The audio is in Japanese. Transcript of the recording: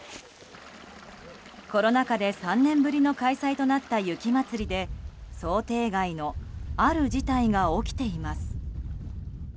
コロナ禍で３年ぶりの開催となった雪まつりで想定外のある事態が起きています。